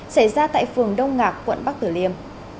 xảy ra tại phường đông ngạc quận bắc tử liêm